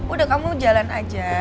udah kamu jalan aja